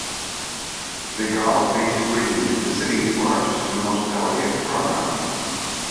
The Galle Face Green is the city's largest and most elegant promenade.